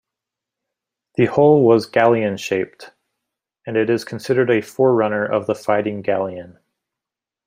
The hull was galleon-shaped, and it is considered a forerunner of the fighting galleon.